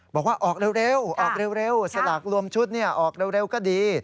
บอกว่าออกเร็วสลากรวมชุดนี่ออกเร็วก็ดี